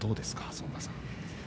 園田さん。